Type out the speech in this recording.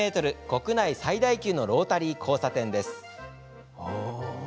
国内最大級のロータリー交差点です。